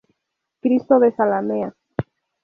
Cristo de Zalamea.